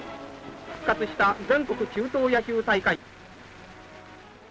復活した全国中等野球大会。